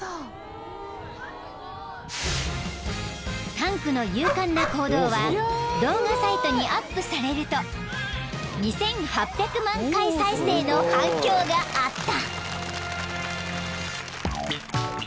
［タンクの勇敢な行動は動画サイトにアップされると２，８００万回再生の反響があった］